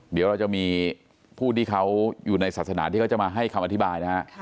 เดี๋ยวเราจะมีผู้ที่เขาอยู่ในศาสนาที่เขาจะมาให้คำอธิบายนะฮะ